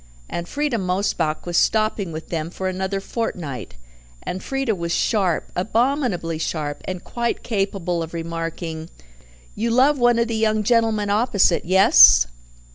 And Frieda Mosebach was stopping with them for another fortnight, and Frieda was sharp, abominably sharp, and quite capable of remarking, "You love one of the young gentlemen opposite, yes?"